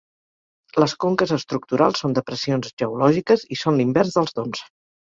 Les conques estructurals són depressions geològiques, i són l'invers dels doms.